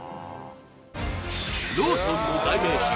ローソンの代名詞